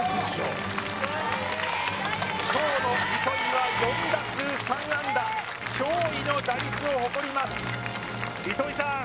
今日の糸井は４打数３安打驚異の打率を誇ります糸井さん